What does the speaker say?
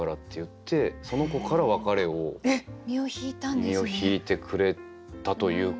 身を引いてくれたというか。